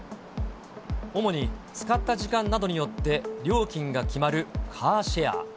主に、使った時間などによって、料金が決まるカーシェア。